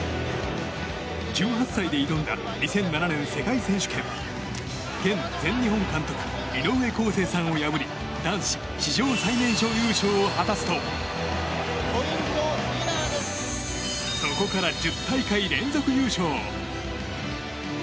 １８歳で挑んだ２００７年世界選手権。現全日本監督井上康生さんを破り男子史上最年少優勝を果たすとそこから１０大会連続優勝。